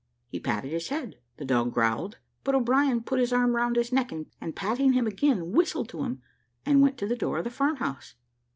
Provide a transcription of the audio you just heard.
He patted his head, the dog growled, but O'Brien put his arm round his neck, and patting him again, whistled to him, and went to the door of the farm house.